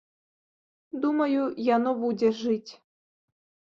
Думаю, яно будзе жыць.